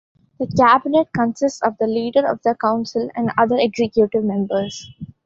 The Cabinet consists of the Leader of the Council and other Executive Members.